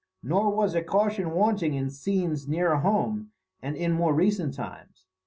Nor was a caution wanting in scenes nearer home and in more recent times.